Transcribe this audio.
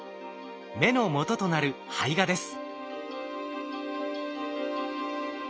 芽のもととなる胚芽です。